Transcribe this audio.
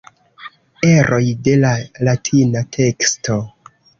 Eroj de la latina teksto.